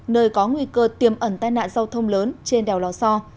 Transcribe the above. nơi có nguy cơ tiềm ẩn tai nạn giao thông lớn trên đèo lò so